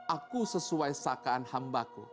aku sesuai sakaan hambaku